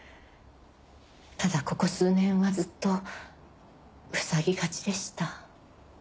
ただここ数年はずっとふさぎがちでした。